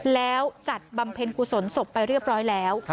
แล้วจัดบำเพ็ญกุศลศพไปเรียบร้อยแล้ว